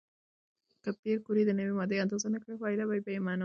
که پېیر کوري د نوې ماده اندازه نه کړي، پایله به بې معنا وي.